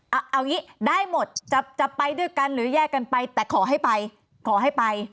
เอาอย่างนี้ได้หมดจะไปด้วยกันหรือแยกกันไปแต่ขอให้ไปขอให้ไป